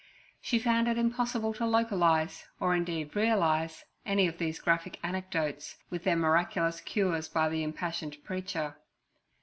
She found it impossible to localize, or indeed realize, any of these graphic anecdotes, with their miraculous cures by the impassioned preacher.